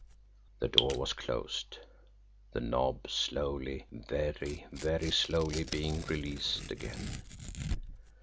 The door was closed the knob slowly, very, very slowly being released again.